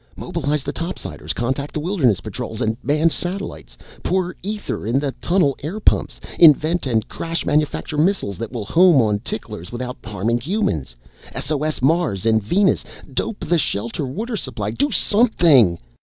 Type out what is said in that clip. "Mobilize the topsiders contact the wilderness patrols and manned satellites pour ether in the tunnel airpumps invent and crash manufacture missiles that will home on ticklers without harming humans SOS Mars and Venus dope the shelter water supply do something!